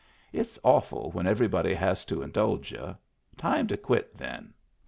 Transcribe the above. It's awful when every body has to indulge y'u — time to quit then.